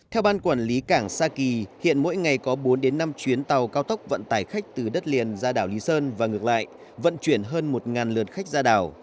theo ban quản lý cảng sa kỳ hiện mỗi ngày có bốn đến năm chuyến tàu cao tốc vận tải khách từ đất liền ra đảo lý sơn và ngược lại vận chuyển hơn một lượt khách ra đảo